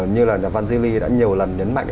như là nhà văn di ly đã nhiều lần nhấn mạnh